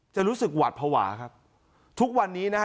จะรู้สึกหวาดภาวะครับทุกวันนี้นะฮะ